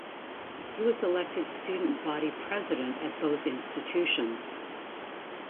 He was elected student body president at both institutions.